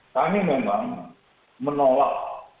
kami memang menolak